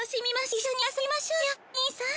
一緒に遊びましょうよ兄さん。